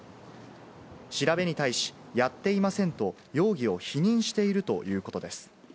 調べに対し、やっていませんと容疑を否認しているということです。